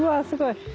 すごい。